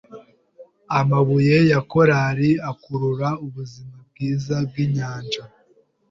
Amabuye ya korali akurura ubuzima bwiza bwinyanja.